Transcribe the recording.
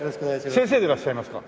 先生でいらっしゃいますか？